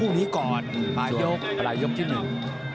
ส่วนปลายกรุ่มที่หนึ่ง